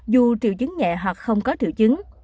dù triệu chứng nhẹ hoặc không có triệu chứng